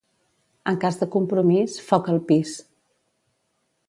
En cas de compromís, foc al pis.